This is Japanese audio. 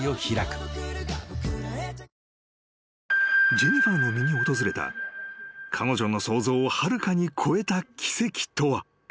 ［ジェニファーの身に訪れた彼女の想像をはるかに超えた奇跡とは］